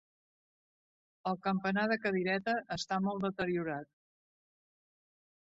El campanar de cadireta està molt deteriorat.